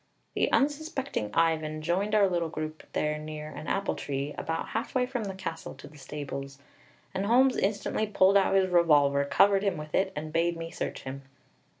The unsuspecting Ivan joined our little group there near an apple tree, about halfway from the castle to the stables; and Holmes instantly pulled out his revolver, covered him with it, and bade me search him.